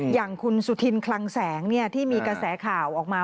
อย่างคุณสุธินคลังแสงที่มีกระแสข่าวออกมา